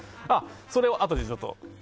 それはあとでちょっと。